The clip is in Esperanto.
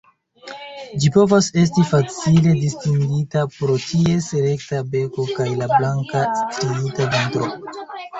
Ĝi povas esti facile distingita pro ties rekta beko kaj la blanka striita ventro.